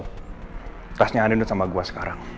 kelasnya ada di rumah sama gue sekarang